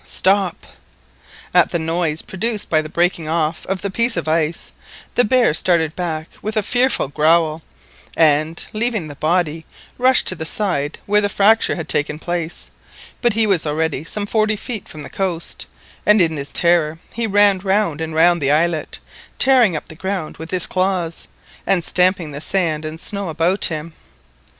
stop!" At the noise produced by the breaking off of the piece of ice, the bear started back with a fearful growl, and, leaving the body, rushed to the side where the fracture had taken place; but he was already some forty feet from the coast, and in his terror he ran round and round the islet, tearing up the ground with his claws, and stamping the sand and snow about him.